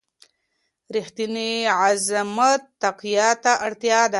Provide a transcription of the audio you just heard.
رښتينی زعامت تقوی ته اړ دی.